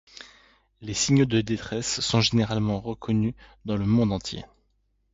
Les signaux de détresse sont généralement reconnus dans le monde entier.